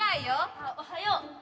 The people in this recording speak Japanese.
あおはよう。